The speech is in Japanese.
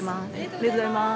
ありがとうございます。